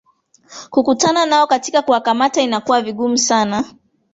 kukutana nao katika kuwakamata inakuwa vigumu sana